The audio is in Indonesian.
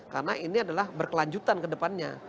karena ini adalah berkelanjutan kedepannya